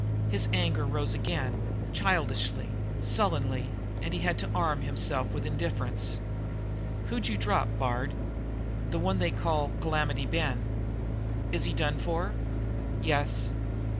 His anger rose again, childishly, sullenly, and he had to arm himself with indifference. "Who'd you drop, Bard?" "The one they call Calamity Ben." "Is he done for?" "Yes."